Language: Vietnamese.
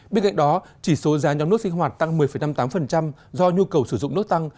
bên cạnh đó chỉ số giá nhóm nước sinh hoạt tăng một mươi năm mươi tám do nhu cầu sử dụng nước tăng